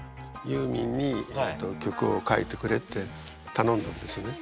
ユーミンに曲を書いてくれってたのんだんですね。